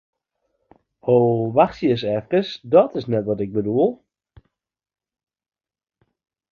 Ho, wachtsje ris efkes, dat is net wat ik bedoel!